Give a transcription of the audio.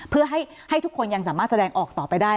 เพื่อให้ทุกคนยังสามารถแสดงออกต่อไปได้